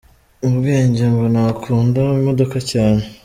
Ku bwe ngo nta kunda imodoka cyane.